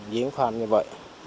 diếng khoan như vậy